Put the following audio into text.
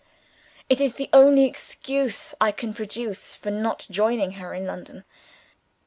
It is the only excuse I can produce for not joining her in London.